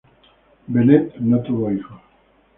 Bennett no tuvo hijos.